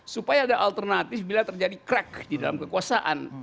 supaya ada alternatif bila terjadi crack di dalam kekuasaan